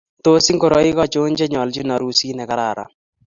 Tos ngoroik ancho chenyolchin arusit nekararan.